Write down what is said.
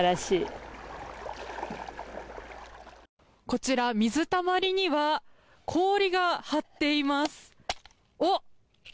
こちら、水たまりには氷が張っています。